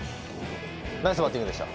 ナイスバッティングでした。